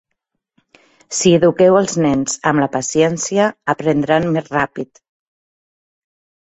Si eduqueu els nens amb la paciència, aprendran més ràpid.